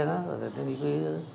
rồi tôi đi quý